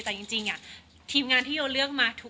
แต่จริงทีมงานที่โยเลือกมา